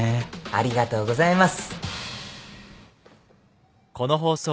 ありがとうございます。